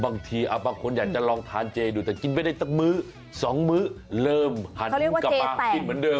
บางทีบางคนอยากจะลองทานเจดูแต่กินไม่ได้สักมื้อ๒มื้อเริ่มหันกลับมากินเหมือนเดิม